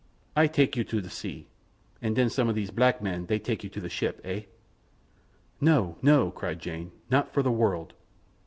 Ay take you to the sea, and then some of these black men they take you to the ship—eh?" "No! no!" cried Jane. "Not for the world.